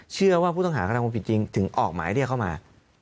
เชื่อว่าผู้ต้องหากระทำความผิดจริงถึงออกหมายเรียกเข้ามา